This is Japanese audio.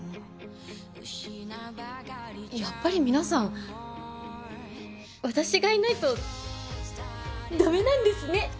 やっぱり皆さん私がいないと駄目なんですね。